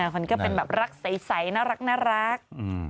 มันก็เป็นแบบรักใสน่ารัก